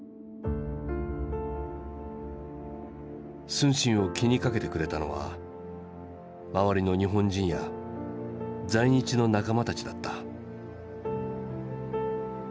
承信を気にかけてくれたのは周りの日本人や在日の仲間たちだった。